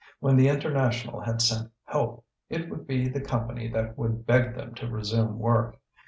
When the International had sent help, it would be the Company that would beg them to resume work.